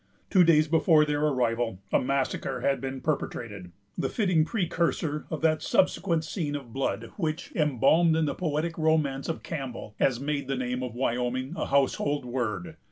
Two days before their arrival, a massacre had been perpetrated, the fitting precursor of that subsequent scene of blood which, embalmed in the poetic romance of Campbell, has made the name of Wyoming a household word.